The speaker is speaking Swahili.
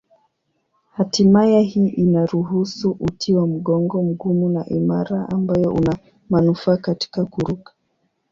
Hatimaye hii inaruhusu uti wa mgongo mgumu na imara ambayo una manufaa katika kuruka.